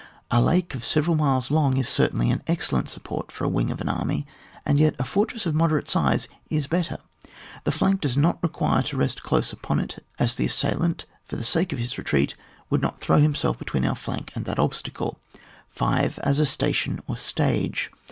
A lake of several miles long is certainly an excellent support for the wing of an army, and y^ a fortress of moderate size is better. The flank does not require to rest close upon it, as the assailant, for the sake of his retreat, would not throw him self between our flank and that obstacle 5. As a station (or stage).